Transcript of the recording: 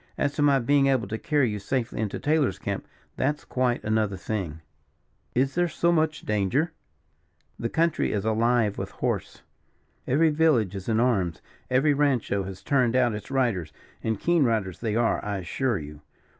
As to my being able to carry you safely into Taylor's camp, that's quite another thing." "Is there so much danger?" "The country is alive with horse. Every village is in arms, every rancho has turned out its riders; and keen riders they are, I assure you.